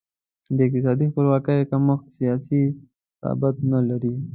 د اقتصادي خپلواکي کمښت سیاسي ثبات نه لري.